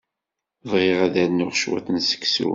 Bɣiɣ ad rnuɣ cwiṭ n seksu.